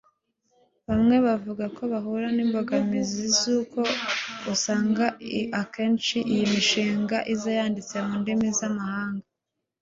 bamwe bavuga ko bahura n’imbogamizi z’uko usanga akenshi iyi mishinga iza yanditse mu ndimi z’amahanga